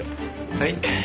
はい。